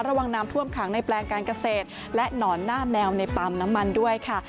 ระวังน้ำท่วมขังในแปลงการเกษตรและหนอนหน้าแมวในปั๊มน้ำมันด้วยค่ะ